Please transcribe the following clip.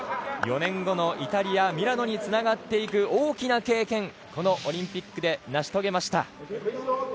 ４年後のイタリア・ミラノにつながっていく大きな経験、このオリンピックで成し遂げました。